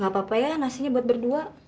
gapapa ya nasinya buat berdua